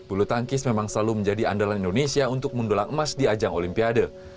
bulu tangkis memang selalu menjadi andalan indonesia untuk mendulang emas di ajang olimpiade